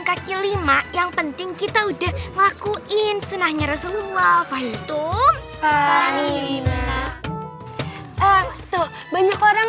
kaki lima yang penting kita udah ngelakuin senahnya rasulullah fahim tum fahim banyak orang